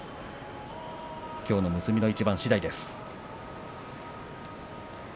きょうの結びの一番しだいです。